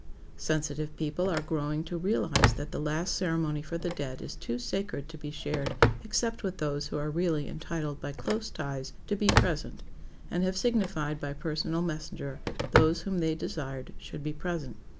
Sensitive people are growing to realize that the last ceremony for the dead is too sacred to be shared except with those who are really entitled by close ties to be present and have signified by personal messenger those whom they desired should be present.